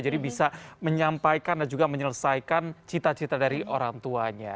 jadi bisa menyampaikan dan juga menyelesaikan cita cita dari orang tuanya